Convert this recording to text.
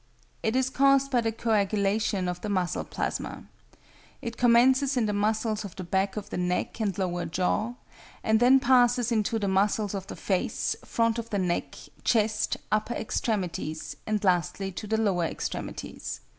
It is caused by the coagulation of the muscle plasma. It commences in the muscles of the back of the neck and lower jaw, and then passes into the muscles of the face, front of the neck, chest, upper extremities, and lastly to the lower extremities.